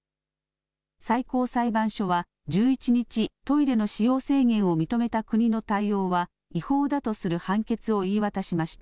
最高裁判所は１１日、トイレの使用制限を認めた国の対応は違法だとする判決を言い渡しました。